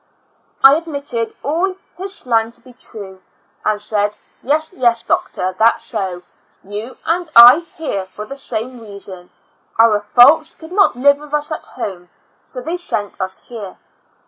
I admitted all his slang to be true, and said, " Yes, yes, doctor, that's so — you and I are here for the same reason, our folks IN A LuxATic Asylum. 35 could not live with us at home, so thev sent us here."